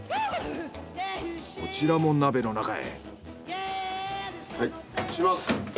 こちらも鍋の中へ。